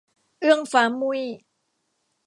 เอื้องฟ้ามุ่ย